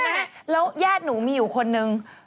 แล้วย่้าย่าหนูมีอยู่คนหนึ่ง